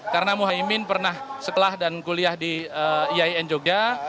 karena muhaimin pernah sekolah dan kuliah di iin jogja